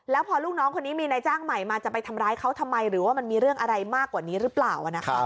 แล้วพอลูกน้องคนนี้มีนายจ้างใหม่มาจะไปทำร้ายเขาทำไมหรือว่ามันมีเรื่องอะไรมากกว่านี้หรือเปล่า